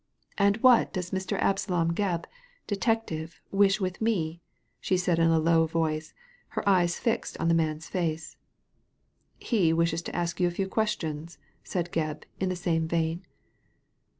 "'And what does Mr. Absalom Gebb, Detective, wish with me?" she said in a low voice, her eyes fixed on the man's face. " He wishes to ask you a few questions/' said Gebb in the same vein.